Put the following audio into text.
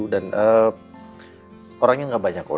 dan orangnya gak banyak kok